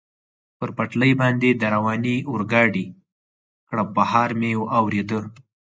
پر پټلۍ باندې د روانې اورګاډي کړپهار مې اورېده.